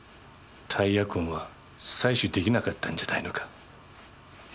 タイヤ痕は採取出来なかったんじゃないのか？